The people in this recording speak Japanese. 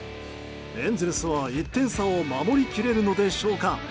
エンゼルスは１点差を守り切れるのでしょうか。